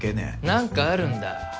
何かあるんだ？